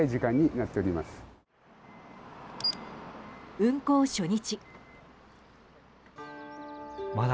運行初日。